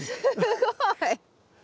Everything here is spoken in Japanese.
すごい。